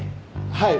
はい。